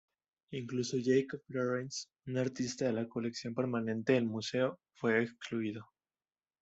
Incluso Jacob Lawrence, un artista de la colección permanente del museo, fue excluido.